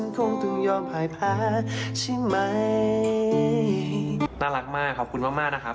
น่ารักมากขอบคุณมากนะครับ